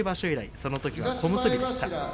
そのときは小結でした。